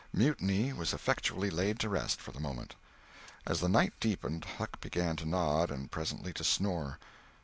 Mutiny was effectually laid to rest for the moment. As the night deepened, Huck began to nod, and presently to snore.